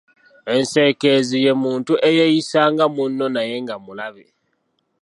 Enseekeezi ye muntu eyeeyisa nga munno naye nga mulabe.